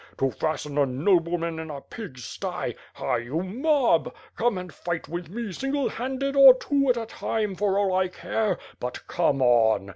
To fasten a nobleman in a pig's sty — ha, you mob! Come and fight with me, single handed, or two at a time, for all I care! But come on!